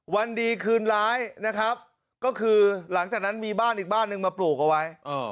วันดีคืนร้ายนะครับก็คือหลังจากนั้นมีบ้านอีกบ้านหนึ่งมาปลูกเอาไว้